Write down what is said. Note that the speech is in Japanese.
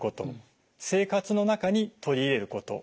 生活の中に取り入れること